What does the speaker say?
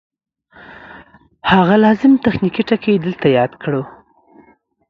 هغه لازم تخنیکي ټکي دلته یاد کړو